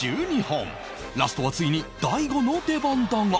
ラストはついに大悟の出番だが